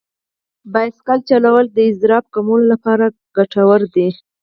بایسکل چلول د اضطراب کمولو لپاره ګټور دي.